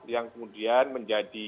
yang kemudian menjadi